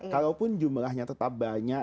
kalaupun jumlahnya tetap banyak